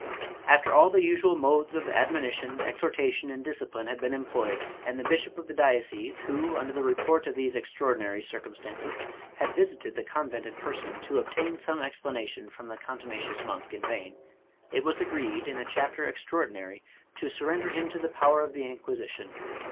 After all the usual modes of admonition, exhortation, and discipline had been employed, and the bishop of the diocese, who, under the report of these extraordinary circumstances, had visited the convent in person to obtain some explanation from the contumacious monk in vain, it was agreed, in a chapter extraordinary, to surrender him to the power of the Inquisition.